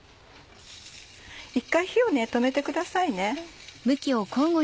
一回火を止めてくださいね。